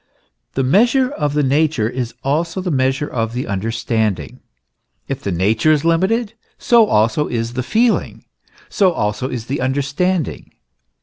The measure of the nature is also the measure of the understanding. If the nature is limited, so also is the feel ing, so also is the understanding.